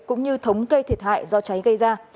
cũng như thống kê thiệt hại do cháy gây ra